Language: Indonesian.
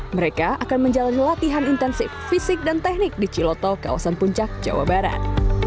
mereka akan menjalani latihan intensif fisik dan teknik di ciloto kawasan puncak jawa barat